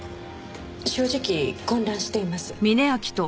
正直混乱しています。